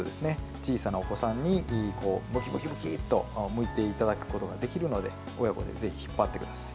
小さなお子さんにむきむきむきとむいていただくことができるので親子でぜひ、引っ張ってください。